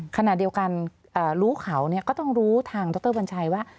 ขณะเดียวกันรู้เขาก็ต้องรู้ทางดรวัญชัยว่า